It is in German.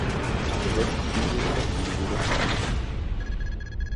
Der Westflügel verfiel jedoch weiter.